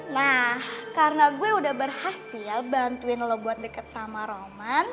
nah karena gue udah berhasil bantuin lo buat deket sama roman